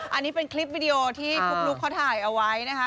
อันนี้เป็นคลิปวิดีโอที่ปุ๊กลุ๊กเขาถ่ายเอาไว้นะคะ